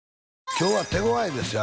今日は手ごわいですよ